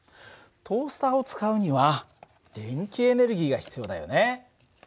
トースターを使うには電気エネルギーが必要だよね。